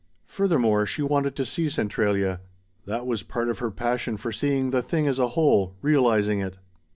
Furthermore, she wanted to see Centralia. That was part of her passion for seeing the thing as a whole, realizing it.